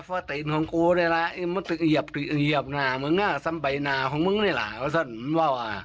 ออกจากครองหน้ามาแล้วผมก็เลยว่าฉันเกิดเป็นคนมาแล้ว